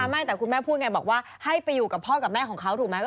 ไม่แต่คุณแม่พูดไงบอกว่าให้ไปอยู่กับพ่อกับแม่ของเขาถูกไหม